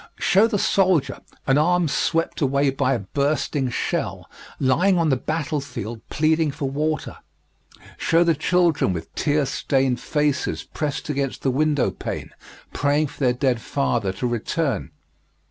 Show the soldier, an arm swept away by a bursting shell, lying on the battlefield pleading for water; show the children with tear stained faces pressed against the window pane praying for their dead father to return.